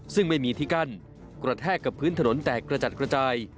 ซึ่งไม่มีที่กั้นกระแทกกับพื้นถนนแตกกระจัดกระจาย